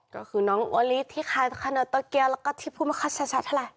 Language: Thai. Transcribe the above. ก็คือน้องโอลิที่ขายขนมตะเกียวแล้วก็ที่พูดมาคัดชัดเท่าไหร่